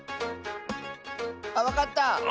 あわかった！